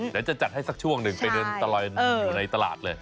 เดี๋ยวจะจัดให้สักช่วงหนึ่งเป็นเรื่องตลอยอยู่ในตลาดเลย